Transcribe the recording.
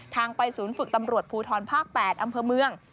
ทางไปศูนย์ฝึกตำรวจภูทรภาค๘อำเภอเมือง